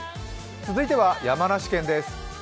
続いては山梨県です。